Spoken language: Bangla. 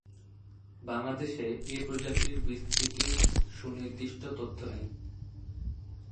বাংলাদেশে এ প্রজাতির বিস্তৃতির সুনির্দিষ্ট তথ্য নেই।